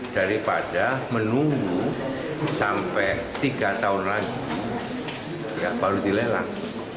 daripada menunggu sampai tiga tahun lagi baru dilelang